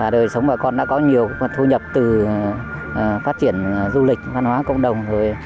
đời sống bà con đã có nhiều thu nhập từ phát triển du lịch văn hóa cộng đồng